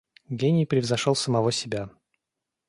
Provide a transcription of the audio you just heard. Гений превзошел самого себя.